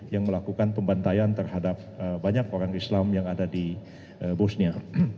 yang melakukan pembantaian terhadap banyak orang islam yang ada di bosnia